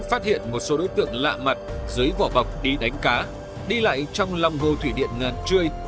phát hiện một số đối tượng lạ mặt dưới vỏ bọc đi đánh cá đi lại trong lòng hồ thủy điện ngàn trươi